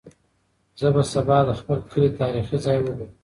زه به سبا د خپل کلي تاریخي ځای وګورم.